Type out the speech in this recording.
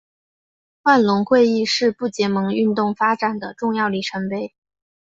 万隆会议是不结盟运动发展的重要里程碑。